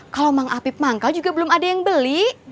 kalau mak apip manggal juga belum ada yang beli